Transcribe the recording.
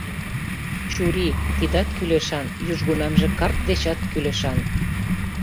Чурий — тидат кӱлешан, южгунамже карт дечат кӱлешан!